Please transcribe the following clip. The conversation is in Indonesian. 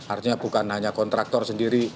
artinya bukan hanya kontraktor sendiri